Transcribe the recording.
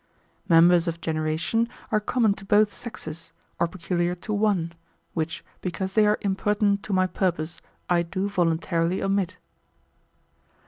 Members of generation are common to both sexes, or peculiar to one; which, because they are impertinent to my purpose, I do voluntarily omit.